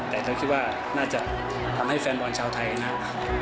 แต่เธอคิดว่าน่าจะทำให้แฟนบอลชาวไทยนะครับ